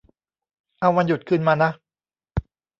เอาวันหยุดคืนมานะ